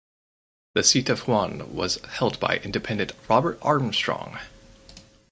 The seat of Huon was held by independent Robert Armstrong.